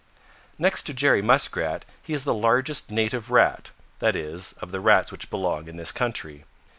"Next to Jerry Muskrat he is the largest native Rat, that is, of the Rats which belong in this country.